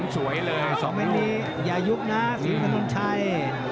สอนไม่มีอย่ายุบนะศิลป์ขนต้นชัย